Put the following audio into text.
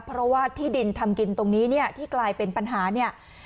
เพราะว่าที่ดินทำกินตรงนี้เนี่ยที่กลายเป็นปัญหาเนี่ย